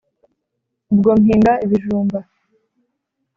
Ubwo mpinga ibijumba